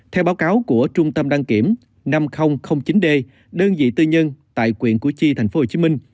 theo báo cáo của trung tâm đăng kiểm năm nghìn chín d đơn vị tư nhân tại quyện củ chi tp hcm